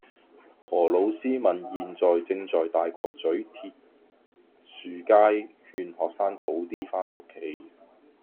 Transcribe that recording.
何老師問現正在大角咀鐵樹街勸學生早啲返屋企